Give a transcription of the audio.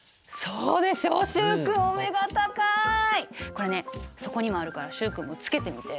これねそこにもあるから習君もつけてみて。